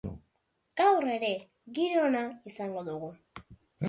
Gaur ere, giro ona izango dugu.